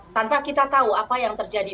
tanpa kita tahu apa yang terjadi